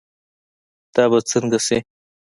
دا به سنګه شي